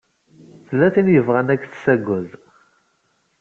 Tella tin i yebɣan ad k-tsaged.